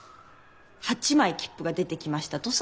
８枚切符が出てきましたとさ。